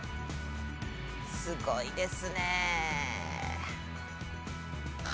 すごいですね。